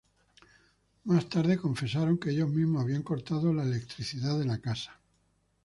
Más tarde confesaron que ellos mismos habían cortado la electricidad de la casa.